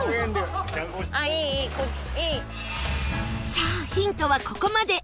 さあヒントはここまで